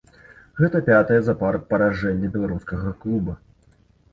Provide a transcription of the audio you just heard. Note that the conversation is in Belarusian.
Гэта пятае запар паражэнне беларускага клуба.